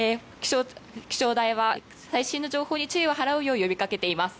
気象台は最新の情報に注意を払うよう呼びかけています。